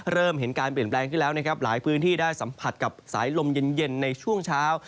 เริ่มเห็นการเปลี่ยนแปลงขึ้นแล้วนะครับหลายพื้นที่ได้สัมผัสกับสายลมเย็นในช่วงเช้า